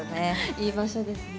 いい場所ですね。